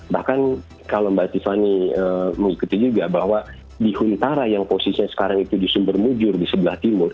bahkan kalau mbak tiffany mengikuti juga bahwa di huntara yang posisinya sekarang itu di sumber mujur di sebelah timur